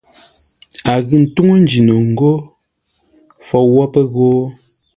Ə́ ngʉ ńtúŋú Njino ngô: Fou wə́ pə́ ghó.